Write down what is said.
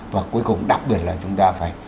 và cuối cùng đặc biệt là chúng ta phải